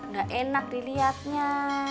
nggak enak dilihatnya